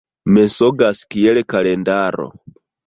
Mensogas kiel kalendaro.